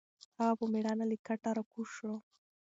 هغه په مېړانه له کټه راکوز شو.